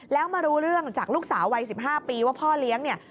แล้วมารู้เรื่องจากลูกสาววัย๑๕ปีว่าพ่อเลี้ยงเนี่ย